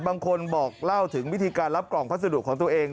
บางคนบอกเล่าถึงวิธีการรับกล่องพัสดุของตัวเอง